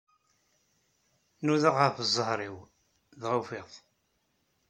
Nudaɣ ɣef zzheṛ-iw, dɣa ufiɣ-t